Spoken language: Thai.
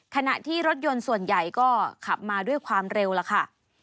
ขณะที่รถยนต์ส่วนใหญ่ก็ขับมาด้วยความเร็วแล้วค่ะ